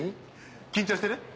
緊張してる？